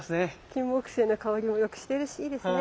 キンモクセイの香りもよくしてるしいいですね。